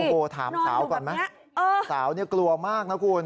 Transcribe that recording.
โอ้โหถามสาวก่อนไหมสาวเนี่ยกลัวมากนะคุณ